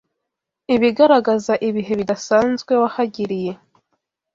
ibigaragaza ibihe bidasanzwe wahagiriye